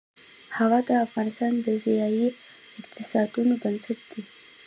هوا د افغانستان د ځایي اقتصادونو بنسټ دی.